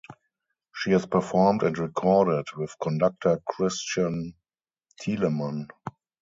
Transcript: She has performed and recorded with conductor Christian Thielemann.